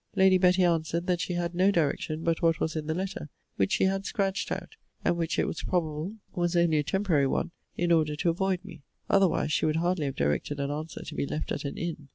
Lady Betty answered that she had no direction but what was in the letter; which she had scratched out, and which, it was probable, was only a temporary one, in order to avoid me: otherwise she would hardly have directed an answer to be left at an inn.